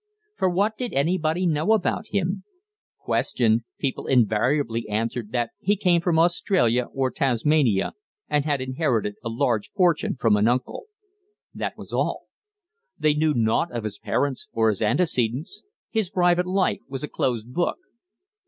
For what did anybody know about him? Questioned, people invariably answered that he came from Australia or Tasmania and had inherited a large fortune from an uncle. That was all. They knew naught of his parents or his antecedents; his private life was a closed book.